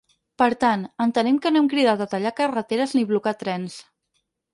Per tant, entenem que no hem cridat a tallar carreteres ni blocar trens.